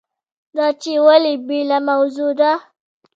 دا چې ولې بېله موضوع ده.